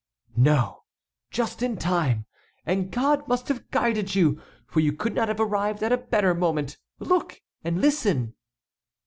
"No, just in time, and God must have guided you, for you could not have arrived at a better moment. Look and listen!"